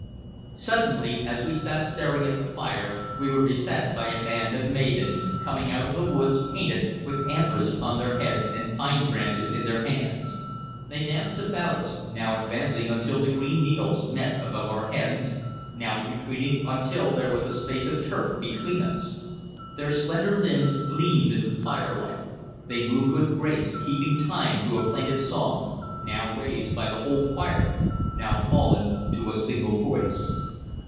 Suddenly, as we sat staring at the fire we were beset by a band of maidens, coming out of the woods, painted, with antlers upon their heads and pine branches in their hands. They danced about us, now advancing until the green needles met above our heads, now retreating until there was a space of turf between us. Their slender limbs gleamed in the firelight; they moved with grace, keeping time to a plaintive song, now raised by the whole choir, now fallen to a single voice.